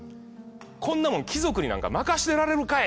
こんなもん貴族になんか任してられるかい！